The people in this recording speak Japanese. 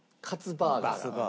バーガー。